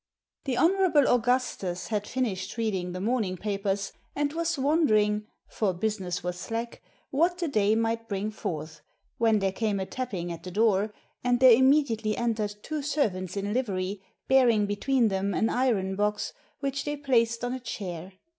The Hon. Augustus had finished reading the morning papers, and was wondering — for business was slack — what the day might bring forth, when there came a tapping at the door, and there im mediately entered two servants in livery, bearing between them an iron box, which they placed on a chair.